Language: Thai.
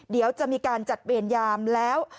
เดี๋ยวจะมีการจัดเวรยามแล้ว